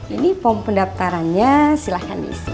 ini pom pendaftarannya silahkan diisi